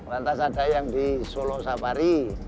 lantas ada yang di solo safari